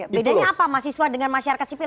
bedanya apa mahasiswa dengan masyarakat sipil